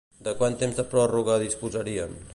De quant temps de pròrroga disposarien?